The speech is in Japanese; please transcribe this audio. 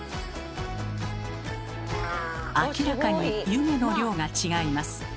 明らかに湯気の量が違います。